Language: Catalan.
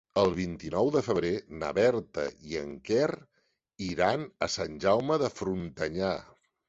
El vint-i-nou de febrer na Berta i en Quer iran a Sant Jaume de Frontanyà.